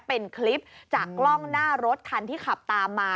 เป็นคลิปจากกล้องหน้ารถคันที่ขับตามมา